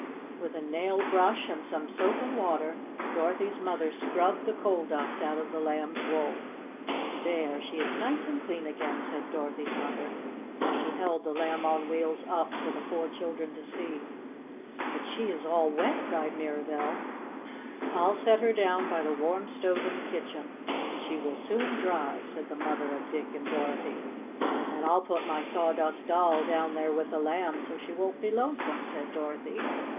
With a nail brush and some soap and water, Dorothy's mother scrubbed the coal dust out of the Lamb's wool. "There, she is nice and clean again," said Dorothy's mother, as she held the Lamb on Wheels up for the four children to see. "But she is all wet!" cried Mirabell. "I'll set her down by the warm stove in the kitchen, and she will soon dry," said the mother of Dick and Dorothy. "And I'll put my Sawdust Doll down there with the Lamb so she won't be lonesome," said Dorothy.